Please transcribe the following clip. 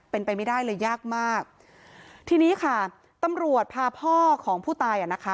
เป็นไปไม่ได้เลยยากมากทีนี้ค่ะตำรวจพาพ่อของผู้ตายอ่ะนะคะ